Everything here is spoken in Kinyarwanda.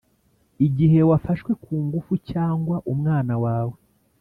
igihe wafashwe ku ngufu cyangwa umwana wawe,